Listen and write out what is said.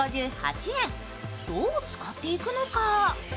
どう使っていくのか？